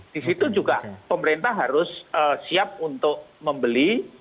tapi juga pemerintah harus siap untuk membeli